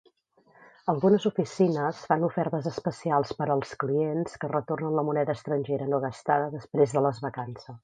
Algunes oficines fan ofertes especials per als clients que retornen la moneda estrangera no gastada després de les vacances.